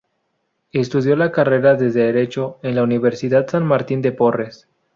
Estudió la carrera de derecho en la Universidad San Martín de Porres.